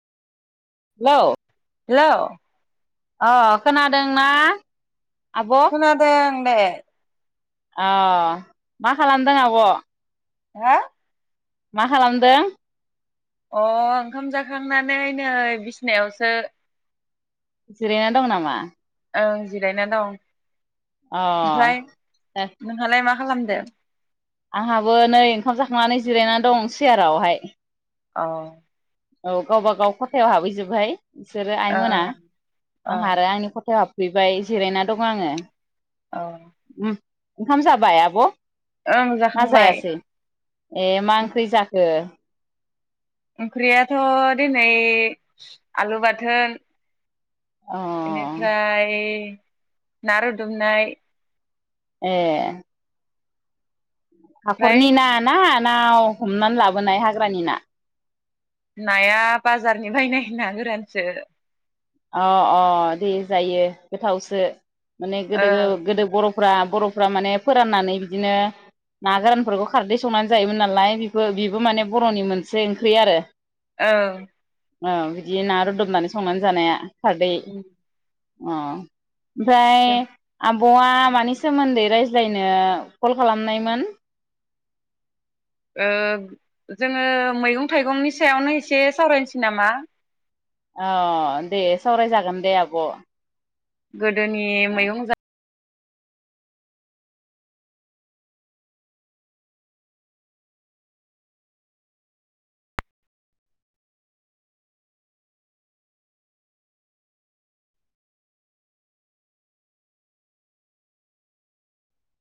Hello hello अ खोनादोंना? आब' खोनादों [unintelligible] अ मा खालामदों आब हा मा खालामदों अ ओंखाम जाखांनानै नै बिसिनायावसो जिरायना दं नामा? ओं जिरायना दं अ ओमफ्राय नोंहालाय मा खालामदो आंहाबो नै ओंखाम जाखांनानै जिरायनानै दं सियारावहाय औ औ गावबागाव खथायाव हाबहैजोब बाय बिसोरो आइमोना औ आंहा आरो आंनि खथायाव हाब बेबाय जिरायना दं आङो औ उम ओंखाम जाबाय आब ओं ना जाखांबाय जायासै ए मा ओंख्रि जाखो ओंख्रियाथ दिनै आलु बाथोन अ बेनिफ्राय ना रुदुमनाय। ए ओमफ्राय हाखरनि ना ना नाव हमनानै लाबोनाय हाग्रानि ना नाया बाजारनि बायनाय ना गोरानसो अ अ दे जायो गोथावसो माने गोदो ओं गोदो बर फ्रा बरफ्रा माने फोराननानै बिदिनो ना गोरानफोरखौ खारदै संनानै जायोमोन नालाय बिबो बिबो माने बरनि मोनसे ओंख्रि आरो ओ औ बिदि ना रुदुमनानै संनानै जानाया [inaudible] अ ओमफ्राय आ जों आबआ मानि सोमोन्दै रायज्लायनो कल खालामनायमोन ओ जोङो मैगं थाइगंनि सायावनो एसे सावरायनोसै नामा अ दे सावरायजागोन दे आब गोदोनि मैगं जा